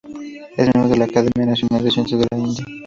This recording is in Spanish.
Es miembro de la Academia Nacional de Ciencias de la India.